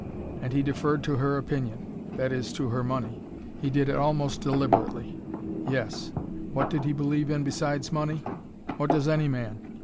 And he deferred to her opinion: that is, to her money. He did it almost deliberately. Yes what did he believe in, besides money? What does any man?